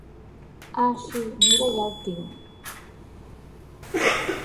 Ah sí, mira ja el tinc.